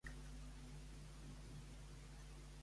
A què es referia també Saró o Xaron?